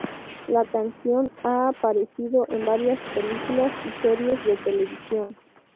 La canción ha aparecido en varias películas y series de televisión.